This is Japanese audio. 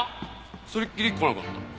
それっきり来なかった。